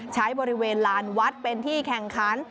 ใช้บริเวณลานวัดเป็นที่แข่งขัน